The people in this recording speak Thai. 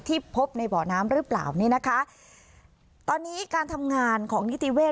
พบในเบาะน้ำหรือเปล่านี่นะคะตอนนี้การทำงานของนิติเวศ